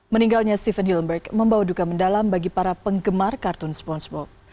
meninggalnya steven hillenburg membawa duka mendalam bagi para penggemar kartun spongebob